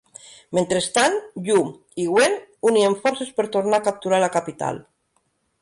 Mentrestant, Yu i Wen unien forces per tornar a capturar la capital.